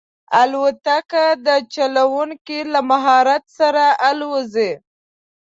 الوتکه د چلونکي له مهارت سره الوزي.